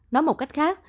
nói một cách khác